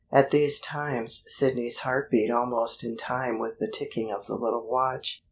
At these times Sidney's heart beat almost in time with the ticking of the little watch.